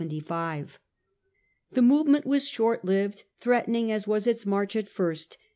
The movement was short lived, threatening as was its march at first.